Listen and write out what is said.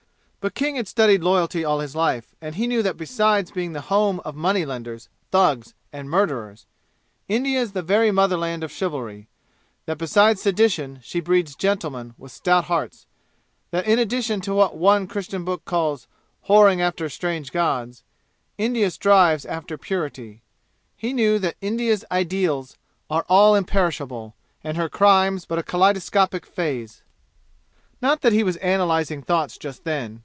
But King had studied loyalty all his life, and he knew that besides being the home of money lenders, thugs, and murderers, India is the very motherland of chivalry; that besides sedition she breeds gentlemen with stout hearts; that in addition to what one Christian Book calls "whoring after strange gods" India strives after purity. He knew that India's ideals are all imperishable, and her crimes but a kaleidoscopic phase. Not that he was analyzing thoughts just then.